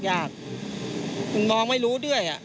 ยากมันมองไม่รู้ด้วย